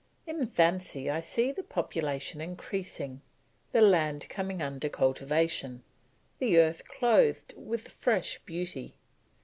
"In fancy I see the population increasing, the land coming under cultivation, the earth clothed with fresh beauty.